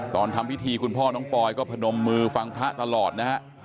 ตอนทำพิธีคุณพ่อน้องปอยก็พนมมือฟังพระตลอดนะฮะ